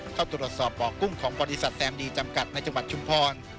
เข้าตรวจสอบบ่อกุ้งของบริษัทแซมดีจำกัดในจังหวัดชุมพร